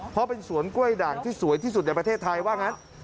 เพราะเป็นสวนกล้วยด่างที่สวยที่สุดในประเทศไทยว่างั้น